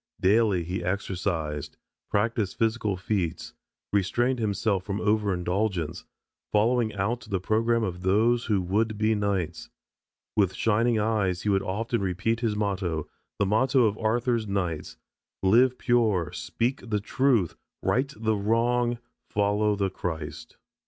Daily he exercised, practiced physical feats, restrained himself from over indulgence, following out the program of those who would be knights. With shining eyes he would often repeat his motto, the motto of Arthur's knights: "Live pure, speak the truth, right the wrong, follow the Christ."